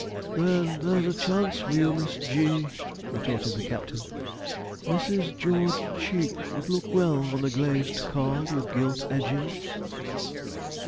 'Then there's a chance for you. Miss G.,' retorted the captain. 'Mrs. George Cheek would look well on a glazed card with gilt edges.'